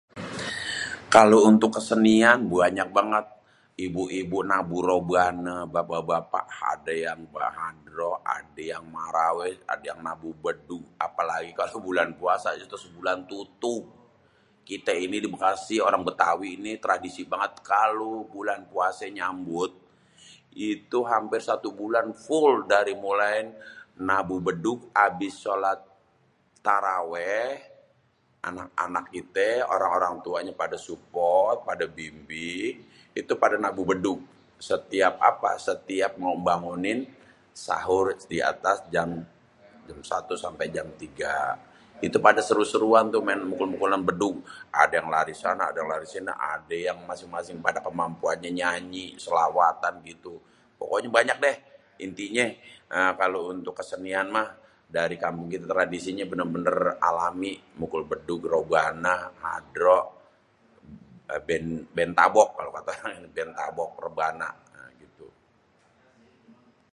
kalo untuk kesenian buuaanyak banget, ibu-ibu nabu robanê, bapak-bapak adé yang hadroh, adé yang marawis, adê yang nabu bedug apalagi kalo bulan puasa itu sebulan tutug. Kita ini dibekasi orang bêtawi ini tradisi banget kalo bulan puasa nyambut itu hampir satu bulan ful dari muléin nabu bêdug abis solat tarawéh anak-anak kité orang-orang tuanyé pada suport pada bingbing itu pada nabu bêdug setiap apa setiap ngêbangunin sahur di atas jam 1 sampai jam 3 itu pada sêru-sêruan tu pada maén bedug, ada yang lari sana ada yang lari sini adê yang masing-masing pada kemampuannya nyanyi solawatan itu. Pokoknya banyak dah intinyé ééé kalo untuk kesenian mah dari kampung kite tradisinya bener-bener alami mukul bêdug, robana, hadroh, bén béntabok kalo kata orang mah béntabok rebana nah gitu.